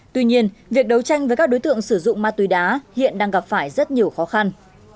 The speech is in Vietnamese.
tuy nhiên việc đấu tranh với các đối tượng sử dụng ma túy đá hiện đang gặp phải rất nhiều khó khăn